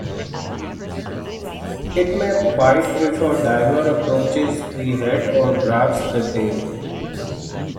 It may bite if a diver approaches the head or grabs the tail.